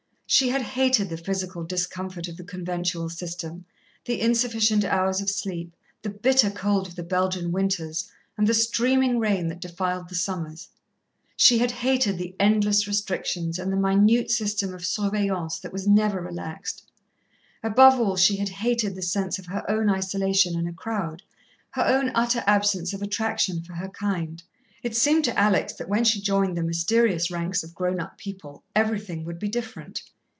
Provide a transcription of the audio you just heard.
She had hated the physical discomfort of the conventual system, the insufficient hours of sleep, the bitter cold of the Belgian winters and the streaming rain that defiled the summers; she had hated the endless restrictions and the minute system of surveillance that was never relaxed; above all, she had hated the sense of her own isolation in a crowd, her own utter absence of attraction for her kind. It seemed to Alex that when she joined the mysterious ranks of grown up people everything would be different.